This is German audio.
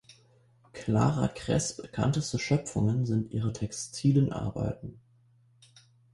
Clara Kress' bekannteste Schöpfungen sind ihre textilen Arbeiten.